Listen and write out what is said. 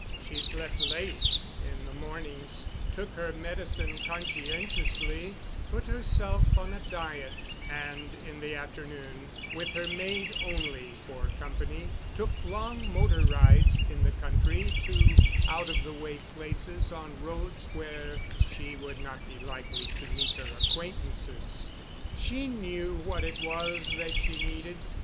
She slept late in the mornings, took her medicine conscientiously, put herself on a diet, and in the afternoon, with her maid only for company, took long motor rides in the country to out of the way places on roads where she would not be likely to meet her acquaintances. She knew what it was that she needed.